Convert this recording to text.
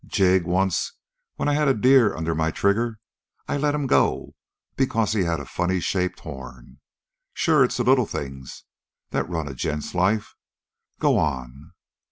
"Jig, once when I had a deer under my trigger I let him go because he had a funny shaped horn. Sure, it's the little things that run a gent's life. Go on!"